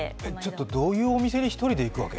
ちょっとどういうお店に１人で行くわけ？